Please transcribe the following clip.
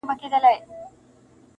ته بېشکه هم ښایسته یې هم رنګینه -